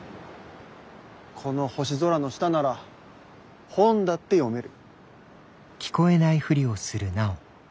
この星空の下なら本だって読める。